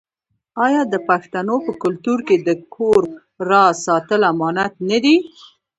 آیا د پښتنو په کلتور کې د کور راز ساتل امانت نه دی؟